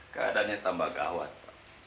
keadaannya tambah gawat